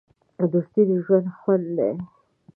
دوستي د ژوند خوند دی.